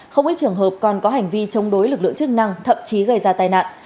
không ít trường hợp còn có hành vi chống đối lực lượng chức năng thậm chí gây ra tai nạn